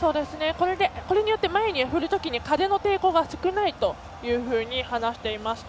これによって前に振るとき風の抵抗が少ないというふうに話していました。